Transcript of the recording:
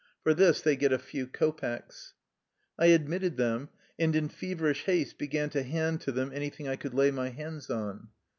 For this they get a few kopecks. I admitted them, and in feverish haste began to hand to them anything I could lay my hands on.